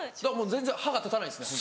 全然歯が立たないですね